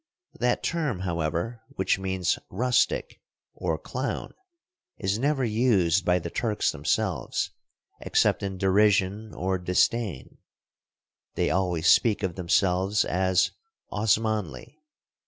That term, however, which means rustic or clown, is never used by the Turks themselves except in derision or disdain; they always speak of themselves as "Osmanli."